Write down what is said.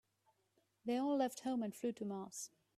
They all left home and flew to Mars.